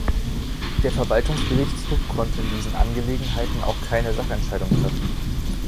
Der Verwaltungsgerichtshof konnte in diesen Angelegenheiten auch keine Sachentscheidung treffen.